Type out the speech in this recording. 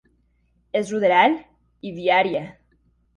Es ruderal y viaria.